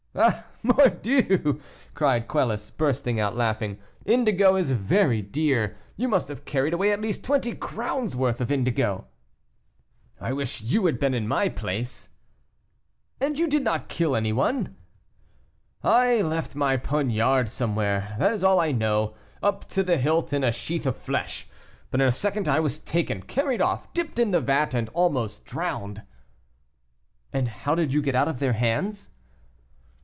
"Oh, mordieu!" cried Quelus, bursting out laughing, "indigo is very dear; you must have carried away at least twenty crowns' worth of indigo." "I wish you had been in my place." "And you did not kill any one?" "I left my poniard somewhere, that is all I know, up to the hilt in a sheath of flesh; but in a second I was taken, carried off, dipped in the vat, and almost drowned." "And how did you get out of their hands?"